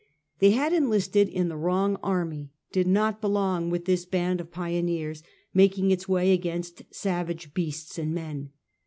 They had enlisted in the wrong army, did not belong with this band of pioneers, making its way against savage beasts and men.